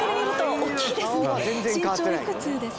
身長いくつですか？